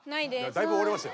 だいぶおわりましたよ。